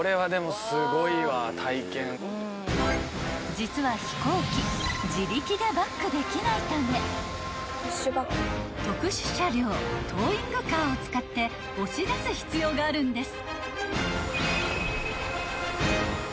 ［実は飛行機自力でバックできないため特殊車両トーイングカーを使って押し出す必要があるんです］